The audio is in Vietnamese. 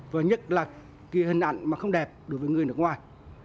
và nhất là cái hình ảnh mà không đẹp đối với người nước ngoài